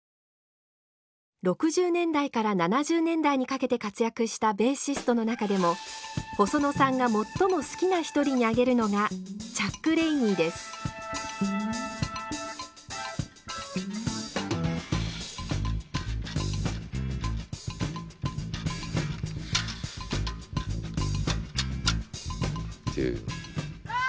６０年代から７０年代にかけて活躍したベーシストの中でも細野さんが最も好きな一人に挙げるのがっていう。